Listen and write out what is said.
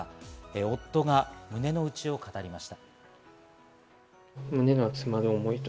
夫が胸の内を語りました。